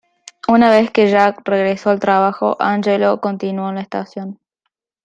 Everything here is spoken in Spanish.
Una vez que Jack regresó al trabajo, Angelo continuó en la estación.